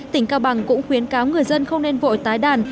tỉnh cao bằng cũng khuyến cáo người dân không nên vội tái đàn